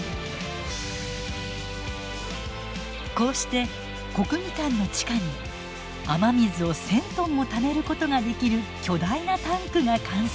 こうして国技館の地下に雨水を１，０００トンもためることができる巨大なタンクが完成しました。